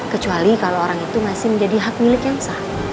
kecuali kalau orang itu masih menjadi hak milik yang sah